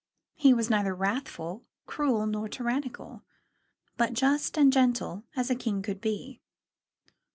He was neither wrathful, cruel, nor tyrannical, but just and gentle as a king could be.